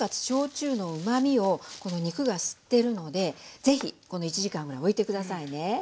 焼酎のうまみをこの肉が吸ってるのでぜひ１時間ぐらいおいて下さいね。